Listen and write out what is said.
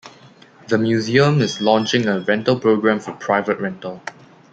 The museum is launching a rental program for private rental.